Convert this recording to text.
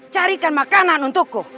carikan makanan untukku